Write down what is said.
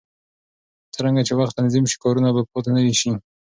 څرنګه چې وخت تنظیم شي، کارونه به پاتې نه شي.